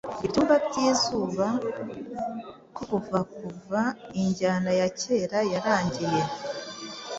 Ibyumba by'izuba, ko Kuva Kuva injyana ya kera yarangiye